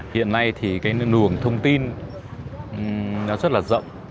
hiện nay thì cái luồng thông tin nó rất là rộng